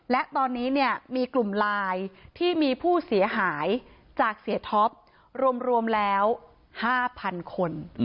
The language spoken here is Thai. และตอนนี้เนี่ยมีกลุ่มไลน์ที่มีผู้เสียหายจากเสียท็อปรวมแล้ว๕๐๐๐คน